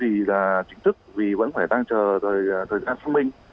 chỉ là chính thức vì vẫn phải tăng trời thời gian xác minh